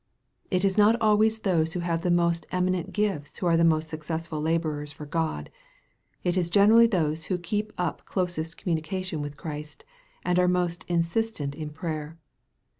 It is not always those who have the most eminent gifts who are most successful laborers for God. It is generally those who keep up closest communion with Christ and are most instant in prayer.